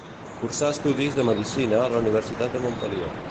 Cursà estudis de medicina a la Universitat de Montpellier.